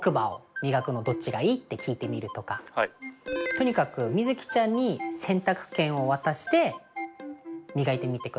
とにかく瑞己ちゃんに選択権を渡してみがいてみてください。